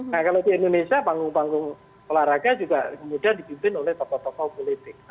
nah kalau di indonesia panggung panggung olahraga juga kemudian dipimpin oleh tokoh tokoh politik